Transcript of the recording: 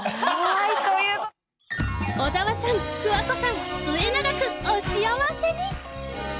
小澤さん、桑子さん、末永くお幸せに。